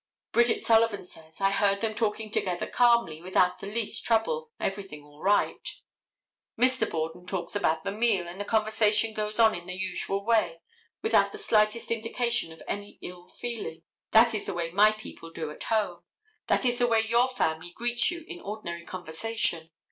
Bridget Sullivan says: "I heard them talking together calmly, without the least trouble, everything all right." Mr. Borden talks about the meal, and the conversation goes on in the usual way without the slightest indication of any ill feeling. That is the way my people do at home. That is the way your family greets you in ordinary conversation.